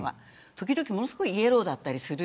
時々、ものすごいイエローだったりする。